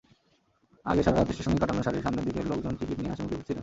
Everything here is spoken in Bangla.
আগের সারা রাত স্টেশনেই কাটানো সারির সামনের দিকের লোকজনটিকিট নিয়ে হাসিমুখে ফিরছিলেন।